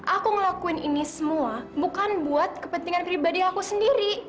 aku ngelakuin ini semua bukan buat kepentingan pribadi aku sendiri